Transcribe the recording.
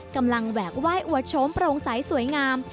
กำลังแหวกไหว้อวดชมประวงสัยสวยงาม